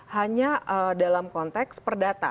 hanya dalam konteks perdata